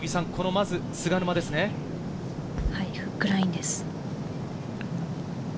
フックラインです。